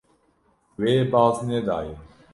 Wê baz nedaye.